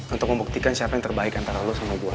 untuk membuktikan siapa yang terbaik antara lo sama gua